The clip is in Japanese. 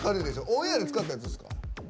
オンエアで使ったやつですか？